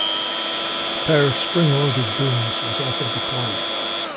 A pair of spring-loaded booms was also deployed.